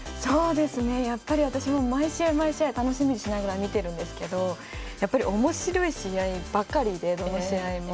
やっぱり私も毎試合楽しみにしながら見ているんですけどおもしろい試合ばかりでどの試合も。